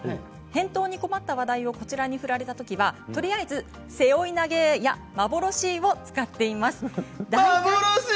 返答に困った話題を、こちらに振られたときはとりあえず背負い投げ！やまぼろし！を使っています。